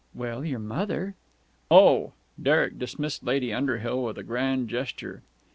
"Well, your mother...." "Oh!" Derek dismissed Lady Underhill with a grand gesture.